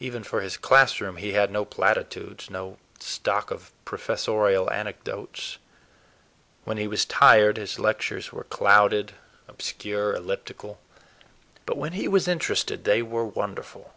Even for his classroom he had no platitudes, no stock of professorial anecdotes. When he was tired his lectures were clouded, obscure, elliptical; but when he was interested they were wonderful.